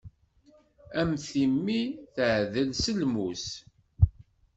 A mm timmi teɛdel s lmus.